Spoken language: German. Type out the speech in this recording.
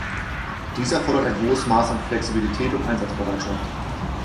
Dies erfordert ein hohes Maß an Flexibilität und Einsatzbereitschaft.